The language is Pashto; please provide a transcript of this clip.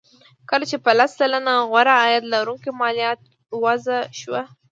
کله چې په لس سلنه غوره عاید لرونکو مالیه وضع شوه